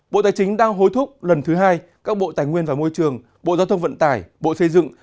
bộ tài chính đang hối thúc lần thứ hai các bộ tài nguyên và môi trường bộ giao thông vận tải bộ xây dựng